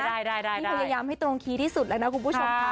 นี่พยายามให้ตรงคีย์ที่สุดแล้วนะคุณผู้ชมค่ะ